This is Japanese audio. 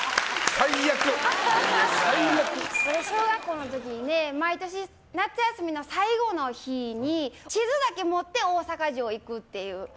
最悪！小学校の時に毎年夏休みの最後の日に地図だけ持って大阪城に行くっていう。